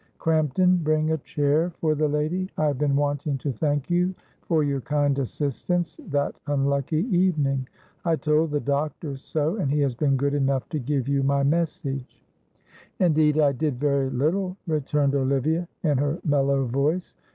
"Crampton, bring a chair for the lady. I have been wanting to thank you for your kind assistance that unlucky evening. I told the doctor so, and he has been good enough to give you my message." "Indeed, I did very little," returned Olivia, in her mellow voice.